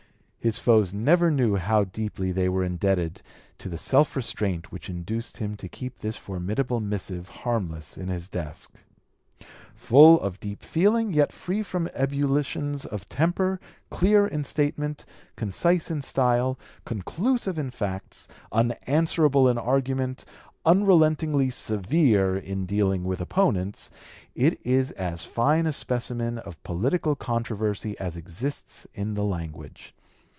His foes never knew how deeply they were indebted to the self restraint which induced him to keep this formidable missive harmless in his desk. Full of deep feeling, yet free from ebullitions of temper, clear in statement, concise in style, conclusive in facts, unanswerable in argument, unrelentingly severe in dealing with opponents, it is as fine a specimen of political controversy as exists in the language.